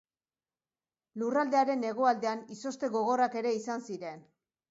Lurraldearen hegoaldean izozte gogorrak ere izan ziren.